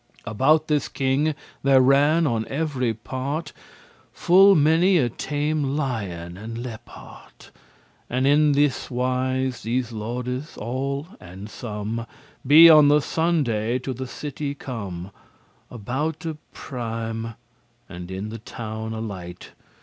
About this king there ran on every part Full many a tame lion and leopart. And in this wise these lordes *all and some* *all and sundry* Be on the Sunday to the city come Aboute prime<60>, and in the town alight.